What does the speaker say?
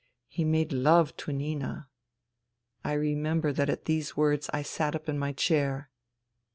He made love to Nina. ..." I remember that at these words I sat up in my chair.